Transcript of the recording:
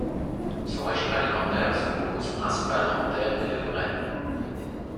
Son régime alimentaire se compose principalement d'herbe et de graines.